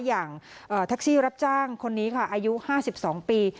อย่างแท็กซี่รับจ้างคนนี้ค่ะอายุ๕๒ปี